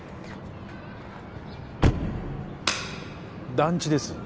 団地です